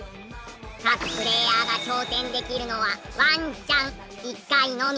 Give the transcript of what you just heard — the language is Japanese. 各プレーヤーが挑戦できるのはワンチャン１回のみ。